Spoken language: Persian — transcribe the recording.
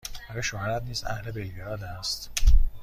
آیا شوهرت نیز اهل بلگراد است؟